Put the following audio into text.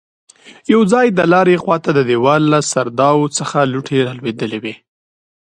يو ځای د لارې خواته د دېوال له سرداو څخه لوټې رالوېدلې وې.